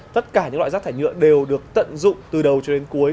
tất cả những loại rác thải nhựa đều được tận dụng từ đầu cho đến cuối